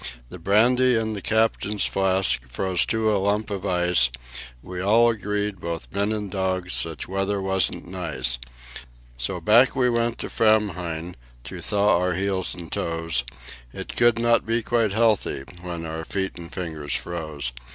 The brandy in the Captain's flask froze to a lump of ice; We all agreed, both men and dogs, such weather wasn't nice. So back we went to Framheim to thaw our heels and toes; It could not be quite healthy when our feet and fingers froze.